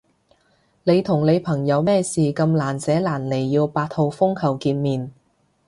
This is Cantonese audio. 你同你朋友咩事咁難捨難離要八號風球見面？